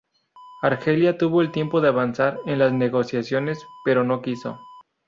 Argelia tuvo el tiempo de avanzar en las negociaciones pero no quiso.